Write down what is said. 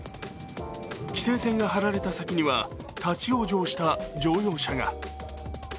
規制線が張られた先には立往生した乗用車が。